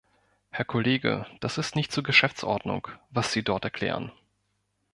Herr Kollege, das ist nicht zur Geschäftsordnung, was Sie dort erklären.